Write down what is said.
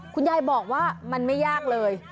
คุณยายบอกว่ามันไม่ยากเลย